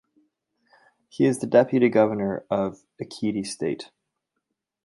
He is the deputy governor of Ekiti State.